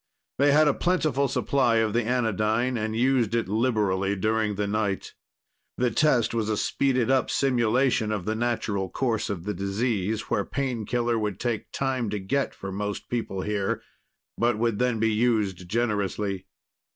They had a plentiful supply of the anodyne and used it liberally during the night. The test was a speeded up simulation of the natural course of the disease, where painkiller would take time to get for most people here, but would then be used generously.